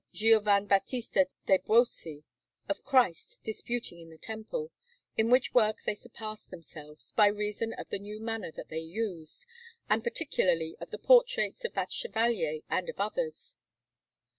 Giovan Battista de' Buosi, of Christ disputing in the Temple; in which work they surpassed themselves, by reason of the new manner that they used, and particularly in the portraits of that Chevalier and of others.